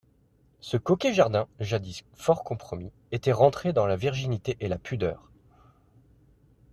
Ce coquet jardin, jadis fort compromis, était rentré dans la virginité et la pudeur.